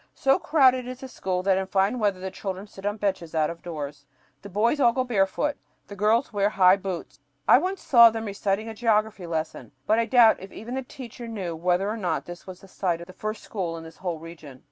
So crowded is the school that in fine weather the children sit on benches out of doors. The boys all go barefooted. The girls wear high boots. I once saw them reciting a geography lesson, but I doubt if even the teacher knew whether or not this was the site of the first school in this whole region.